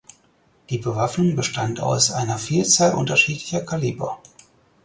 Die Bewaffnung bestand aus einer Vielzahl unterschiedlicher Kaliber.